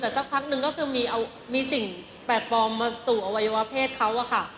แต่สักพักนึงก็คือมีสิ่งแปลกปลอมมาสู่อวัยวะเพศเขาอะค่ะ